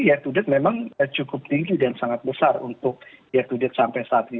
yatudet memang cukup tinggi dan sangat besar untuk yatudet sampai saat ini